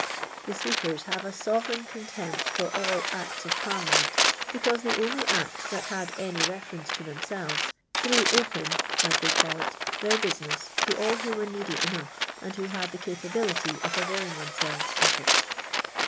' The sweepers have a sovereign cunti.mpt ffir. ili Acts of J'arliament. liecause the only Act that : iiu'l a!iy refrrcncc to themselves " threw njMMj," as '• thi y call it. their business to all who were nerdy \ enough and who had the ia;*itb!lity of availing ih>iiii<i'lvi'3 uf it.